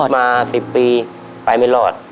มังคุศมาสิบปีไปไม่รอด